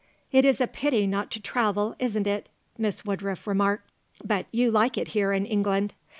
It is a pity not to travel, isn't it," Miss Woodruff remarked. "But you like it here in England?"